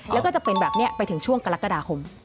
แล้วก็จะเป็นแบบนี้ไปถึงช่วงกรกฎาคม